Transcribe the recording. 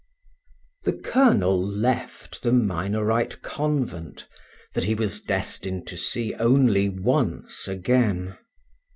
The colonel left the Minorite convent, that he was destined to see only once again.